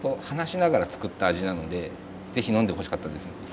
ぜひ呑んでほしかったです。